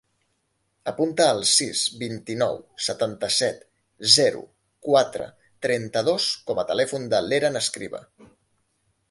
Apunta el sis, vint-i-nou, setanta-set, zero, quatre, setanta-dos com a telèfon de l'Eren Escriba.